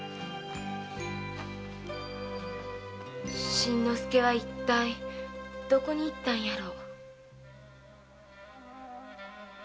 新之助は一体どこに行ったんやろ。